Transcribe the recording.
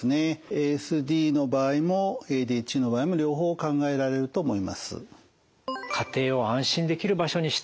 ＡＳＤの場合もＡＤＨＤの場合も両方考えられると思います。